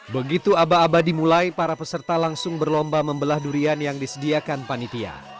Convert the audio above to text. begitu aba aba dimulai para peserta langsung berlomba membelah durian yang disediakan panitia